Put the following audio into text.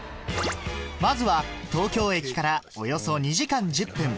まずは東京駅からおよそ２時間１０分